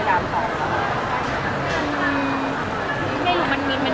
จะ่วงว่าทำงานดีกว่า